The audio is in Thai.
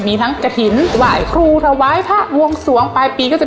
มีทั้งกระถินว่าไอครูถวายท่าวงสวงปลายปีก็จะ